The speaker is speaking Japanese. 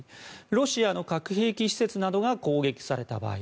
ロシアの核兵器施設などが攻撃された場合。